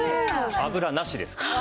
油なしですから。